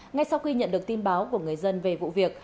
ngay sau khi nhận được tin báo của người dân về vụ việc